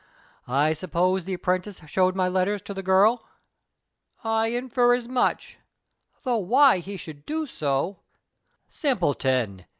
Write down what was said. I suppose the apprentice showed my letters to the girl?" "I infer as much; though why he should do so " "Simpleton!